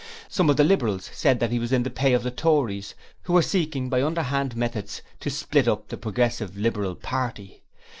Some of the Liberals said that he was in the pay of the Tories, who were seeking by underhand methods to split up the Progressive Liberal Party.